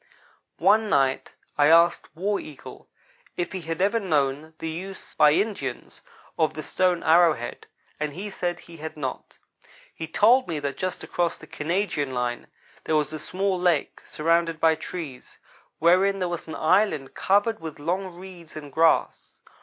One night I asked War Eagle if he had ever known the use, by Indians, of the stone arrow head, and he said he had not. He told me that just across the Canadian line there was a small lake, surrounded by trees, wherein there was an island covered with long reeds and grass.